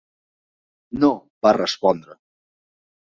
"No", va respondre.